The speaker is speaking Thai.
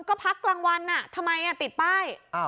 ก็พักรางวัลอ่ะทำไมอ่ะติดป้ายอ่า